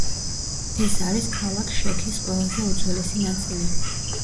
ეს არის ქალაქ შექის ყველაზე უძველესი ნაწილი.